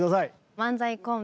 漫才コンビ